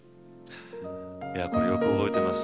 これよく覚えています。